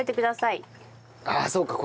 ああそうか。